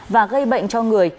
và gây bệnh cho người